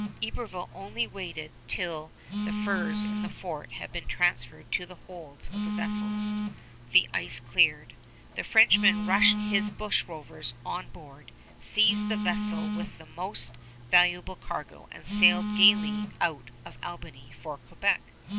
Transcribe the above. Iberville only waited till the furs in the fort had been transferred to the holds of the vessels. The ice cleared. The Frenchman rushed his bushrovers on board, seized the vessel with the most valuable cargo, and sailed gayly out of Albany for Quebec.